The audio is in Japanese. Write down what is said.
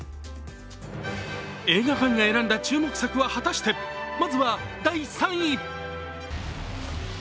映画ファンが選んだ注目作は果たして、まずは第３位。